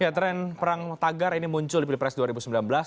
ya tren perang tagar ini muncul di pilpres dua ribu sembilan belas